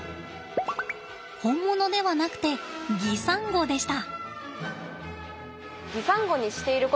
本物ではなくて擬サンゴでした。